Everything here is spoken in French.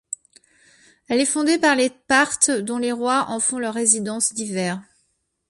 Elle est fondée par les Parthes dont les rois en font leur résidence d'hiver.